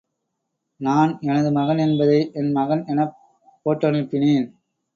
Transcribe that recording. நான், எனது மகன் என்பதை என் மகன் எனப் போட்டனுப்பினேன்.